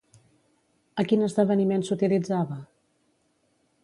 A quin esdeveniment s'utilitzava?